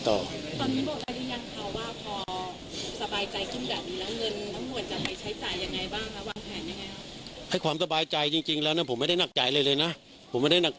ตอนนี้บอกได้หรือยังครับว่าพอสบายใจขึ้นแบบนี้แล้วเงินทั้งหมวดจะไปใช้จ่ายยังไงบ้างแล้ววางแผนยังไงครับ